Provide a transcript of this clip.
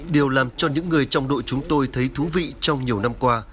điều làm cho những người trong đội chúng tôi thấy thú vị trong nhiều năm qua